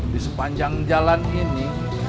di sepanjang jalan ini